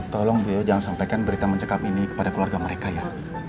tolong beliau jangan sampaikan berita mencekam ini kepada keluarga mereka ya